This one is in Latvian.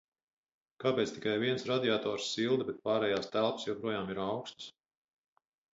Kāpēc tikai viens radiators silda, bet pārējās telpas joprojām ir aukstas?